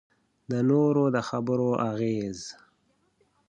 د نورو د خبرو اغېز.